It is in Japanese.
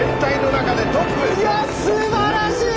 いやすばらしい！